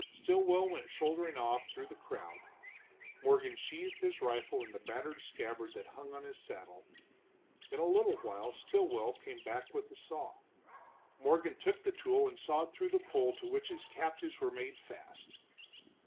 Stilwell went shouldering off through the crowd. Morgan sheathed his rifle in the battered scabbard that hung on his saddle. In a little while Stilwell came back with a saw. Morgan took the tool and sawed through the pole to which his captives were made fast.